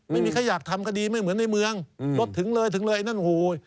ไม่มีใครอยากทำคดีไม่เหมือนในเมืองรถถึงเลยถึงเลยไอ้นั่นโหย